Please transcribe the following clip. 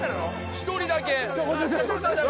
１人だけ。